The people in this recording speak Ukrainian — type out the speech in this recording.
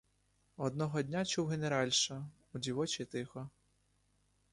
Одного дня чув генеральша, — у дівочій тихо.